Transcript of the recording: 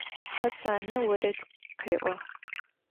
Hasane vored khê'o.